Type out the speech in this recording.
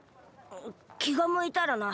きがむいたらな。